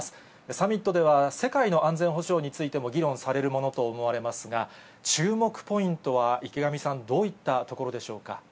サミットでは、世界の安全保障についても議論されるものと思われますが、注目ポイントは池上さん、どういったところでしょうか。